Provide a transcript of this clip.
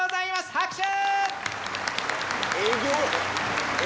拍手！